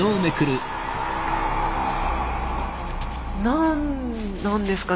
何なんですかね？